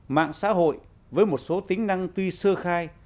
mạng xã hội với một số tính năng tuy sơ khai